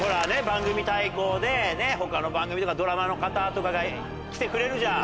番組対抗で他の番組とかドラマの方とかが来てくれるじゃん。